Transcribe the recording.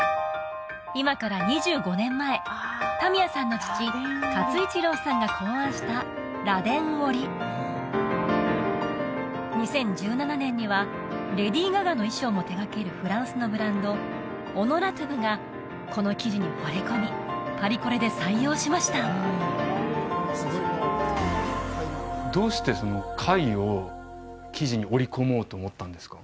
今から２５年前民谷さんの父勝一郎さんが考案した２０１７年にはレディー・ガガの衣装も手がけるフランスのブランドがこの生地にほれ込みパリコレで採用しましたどうして貝を生地に織り込もうと思ったんですか？